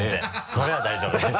それは大丈夫です。